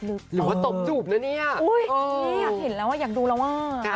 หรือว่าตบจูบนะเนี่ยอยากเห็นแล้วอ่ะอยากดูแล้วว่า